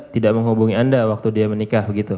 tidak menghubungi anda waktu dia menikah begitu